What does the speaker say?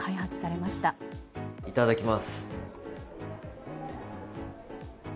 いただきます。